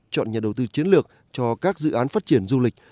chọn nhà đầu tư chiến lược cho các dự án phát triển du lịch